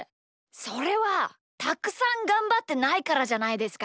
それはたくさんがんばってないからじゃないですか？